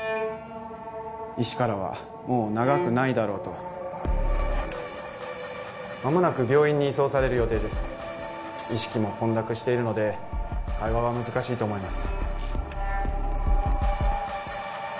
医師からは「もう長くないだろう」と間もなく病院に移送される予定です意識も混濁しているので会話は難しいと思います